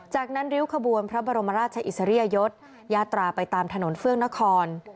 จากนั้นริ้วขบวนพระบรมราชอิสริยยศยาตราไปตามถนนเฟื่องนคร